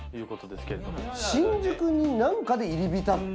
新宿に何かで入り浸った。